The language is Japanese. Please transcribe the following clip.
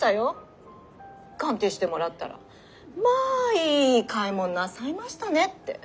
鑑定してもらったらまあいい買い物なさいましたねって。